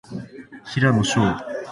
平野紫耀